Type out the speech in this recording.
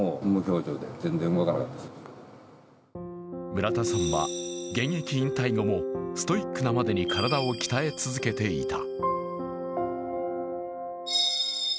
村田さんは現役引退後もストイックなまでに体を鍛え続けていた。